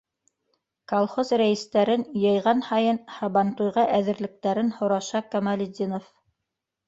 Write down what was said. Колхоз рәйестәрен йыйған һайын һабантуйға әҙерлектәрен һораша Камалетдинов.